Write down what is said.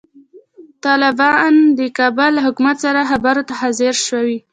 طالبان د کابل له حکومت سره خبرو ته حاضر شوي.